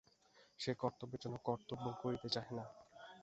সে কর্তব্যের জন্য কর্তব্য করিতে চাহে না।